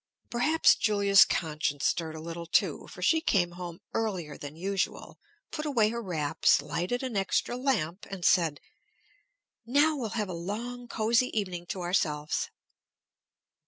Perhaps Julia's conscience stirred a little, too; for she came home earlier than usual, put away her wraps, lighted an extra lamp, and said, "Now we'll have a long, cosy evening to ourselves."